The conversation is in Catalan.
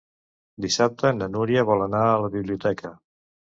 Dissabte na Núria vol anar a la biblioteca.